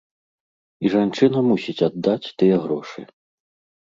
І жанчына мусіць аддаць тыя грошы.